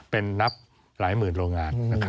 เป็นนับหลายหมื่นโรงงาน